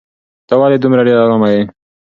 ته ولې دومره ډېره ارامه یې؟